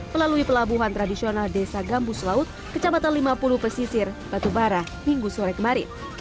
melalui pelabuhan tradisional desa gambus laut kecamatan lima puluh pesisir batubara minggu sore kemarin